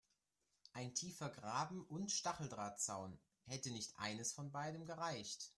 Ein tiefer Graben und Stacheldrahtzaun – hätte nicht eines von beidem gereicht?